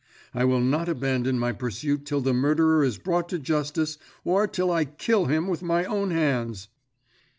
I will not abandon my pursuit till the murderer is brought to justice, or till I kill him with my own hands!"